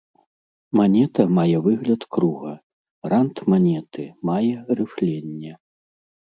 Манета мае выгляд круга, рант манеты мае рыфленне.